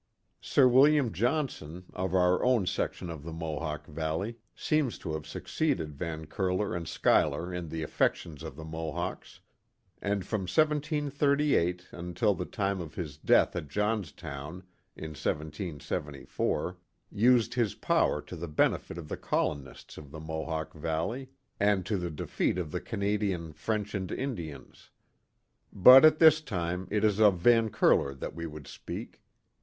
Sir William Jphnson, of our own section of the Mohawk Valley, seems to' have succeeded Van Curler and Schuyler in the affections of the Mohawks, and from 1738 until the time of his death at Johnstown, in 1774, used his power to the benefit of the colonists of the Mohawk Valley, and to the 19 20 The Mohawk Valley defeat of the Canadian French and Indians. But at this time it is of Van Curler that we would speak.